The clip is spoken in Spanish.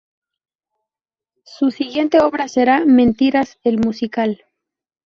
Su siguiente obra será "Mentiras, el musical".